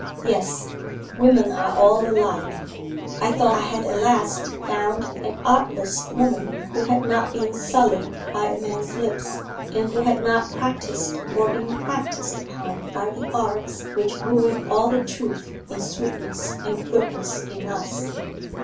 'Yes, women are all alike. I thought I had at last found an artless woman who had not been sullied by a man's lips, and who had not practised or been practised upon by the arts which ruin all the truth and sweetness and goodness in us.